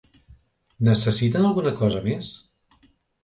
Necessiten alguna cosa més?